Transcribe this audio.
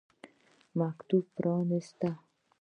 مکتوب پرانیست.